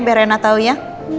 biar rena tau ya